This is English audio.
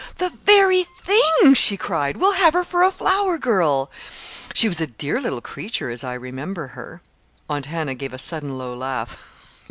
"The very thing!" she cried. "We'll have her for a flower girl. She was a dear little creature, as I remember her." Aunt Hannah gave a sudden low laugh.